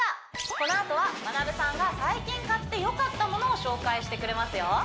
このあとはまなぶさんが最近買ってよかったものを紹介してくれますよ